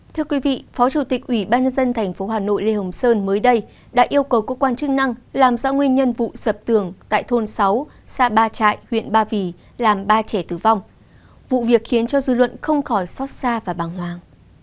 thưa quý vị phó chủ tịch ủy ban nhân dân tp hà nội lê hồng sơn mới đây đã yêu cầu cơ quan chức năng làm rõ nguyên nhân vụ sập tường tại thôn sáu xã ba trại huyện ba vì làm ba trẻ tử vong vụ việc khiến cho dư luận không khỏi xót xa và bàng hoàng